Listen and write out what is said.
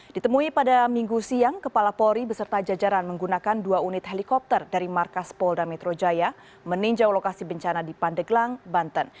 ditemui pada minggu siang kepala polri beserta jajaran menggunakan dua unit helikopter dari markas polda metro jaya meninjau lokasi bencana di pandeglang banten